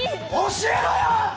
教えろよ！